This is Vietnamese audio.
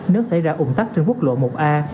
nước xảy ra ủng tắc trên quốc lộ một a